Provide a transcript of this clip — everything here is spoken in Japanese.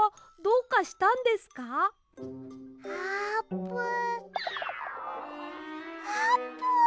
あーぷん